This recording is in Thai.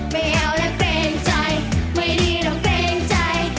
ไม่เอาและเกรงใจไม่ดีหรอกเกรงใจ